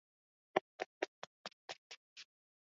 Kwamba hatuna haki ya kulalamika